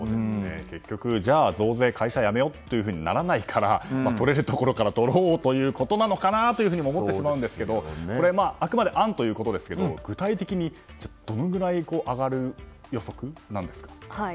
結局、じゃあ増税会社辞めようってならないから取れるところから取ろうということなのかなと思ってしまうんですけどあくまで案ということですけど具体的に、どのくらい上がる予測なんですか？